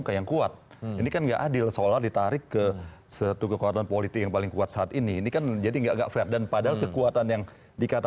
kalau disebut tadi proporsionalitasnya bagaimana